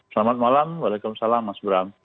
selamat malam waalaikumsalam mas bram